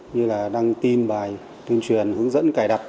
như là đăng tin bài tuyên truyền hướng dẫn cài đặt